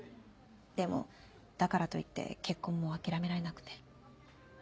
でもだからと言って結婚も諦められなくて。